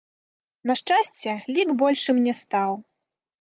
На шчасце, лік большым не стаў.